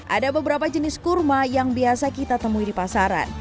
ada beberapa jenis kurma yang biasa kita temui di pasaran